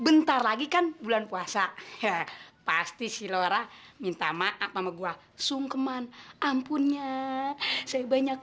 bentar lagi kan bulan puasa ya pasti si lora minta maaf sama gua sungkeman ampunnya saya banyak